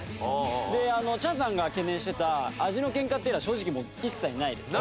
でチャンさんが懸念してた味のケンカっていうのは正直もう一切ないです。